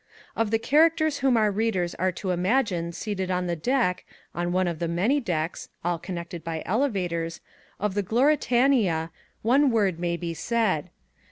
Of the characters whom our readers are to imagine seated on the deck on one of the many decks (all connected by elevators) of the Gloritania, one word may be said.